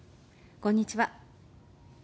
こんにちは。